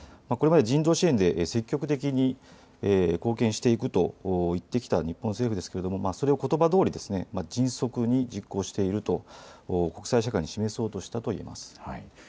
これまで人道支援で積極的に貢献していくと言ってきた日本政府ですがそれをことばどおり迅速に実行していると国際社会に示そうとしたといえます。